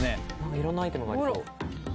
いろんなアイテムがありそう。